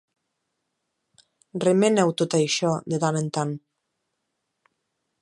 Remena-ho tot això de tant en tant.